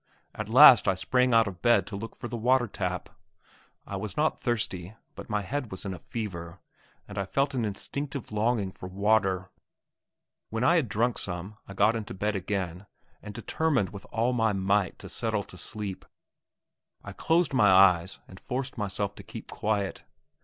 At last I sprang out of bed to look for the water tap. I was not thirsty, but my head was in a fever, and I felt an instinctive longing for water. When I had drunk some I got into bed again, and determined with all my might to settle to sleep. I closed my eyes and forced myself to keep quiet.